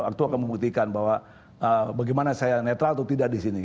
waktu akan membuktikan bahwa bagaimana saya netral atau tidak di sini